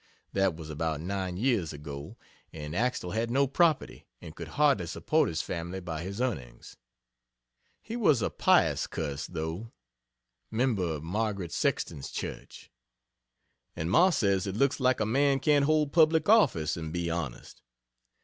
That was about nine years ago, and Axtele had no property, and could hardly support his family by his earnings. He was a pious cuss, though. Member of Margaret Sexton's Church. And Ma says "it looks like a man can't hold public office and be honest."